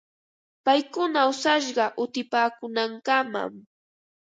Paykuna awsashqa utipaakuunankamam.